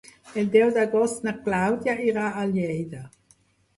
El deu d'agost na Clàudia irà a Lleida.